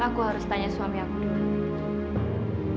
aku harus tanya suami aku